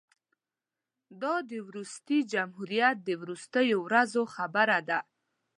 دا د وروستي جمهوریت د وروستیو ورځو خبره ده.